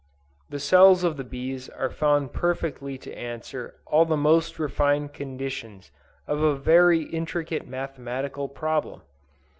The cells of the bees are found perfectly to answer all the most refined conditions of a very intricate mathematical problem!